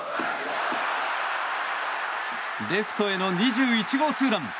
レフトへの２１号ツーラン。